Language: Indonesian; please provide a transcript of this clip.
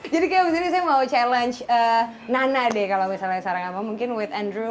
jadi kayak disini saya mau challenge nana deh kalau misalnya seorang apa mungkin with andrew